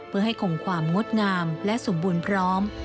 เพื่อให้คงความงดงามและสมบูรณ์พร้อม